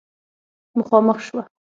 مخامخ شوه